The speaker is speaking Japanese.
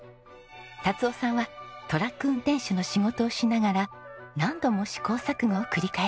達雄さんはトラック運転手の仕事をしながら何度も試行錯誤を繰り返しました。